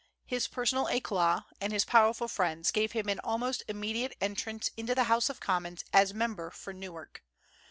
His personal éclat and his powerful friends gave him an almost immediate entrance into the House of Commons as member for Newark.